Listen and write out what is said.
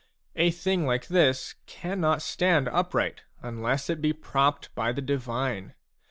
A thing like this cannot stand upright unless it be propped by the divine.